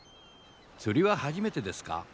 釣りは初めてですか？